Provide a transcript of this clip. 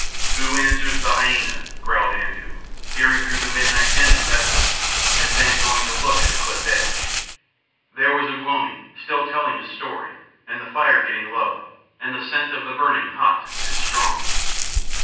"Who answers the hyæna?" growled Andoo, peering through the midnight dimness at them, and then going to look at the cliff edge. There was Ugh lomi still telling his story, and the fire getting low, and the scent of the burning hot and strong.